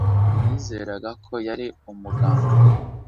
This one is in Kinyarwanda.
Nizeraga ko yari umuganga